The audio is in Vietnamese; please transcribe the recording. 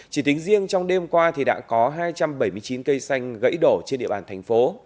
chỉ tính riêng trong đêm qua thì đã có hai trăm bảy mươi chín cây xanh gãy đổ trên địa bàn thành phố